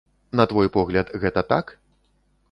На твой погляд, гэта так?